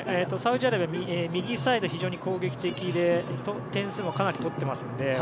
はい、サウジアラビアは右サイドが非常に攻撃的で点数もかなり取っていますので。